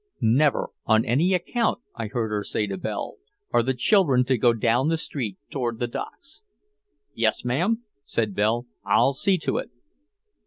"Never on any account," I heard her say to Belle, "are the children to go down the street toward the docks." "Yes, ma'am," said Belle. "I'll see to it."